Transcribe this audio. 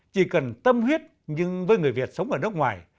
chỉ cần tâm huyết nhưng với người việt sống ở nước ngoài